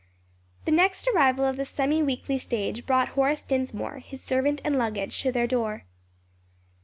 The next arrival of the semi weekly stage brought Horace Dinsmore, his servant and luggage to their door.